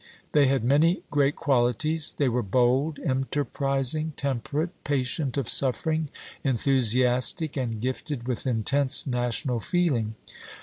They had many great qualities; they were bold, enterprising, temperate, patient of suffering, enthusiastic, and gifted with intense national feeling.